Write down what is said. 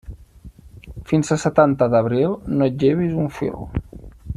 Fins a setanta d'abril no et llevis un fil.